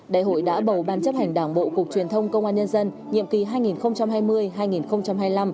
đại hội đã bầu ban chấp hành đảng bộ cục truyền thông công an nhân dân nhiệm kỳ hai nghìn hai mươi hai nghìn hai mươi năm